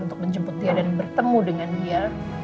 untuk menjemput dia dan bertemu dengan dia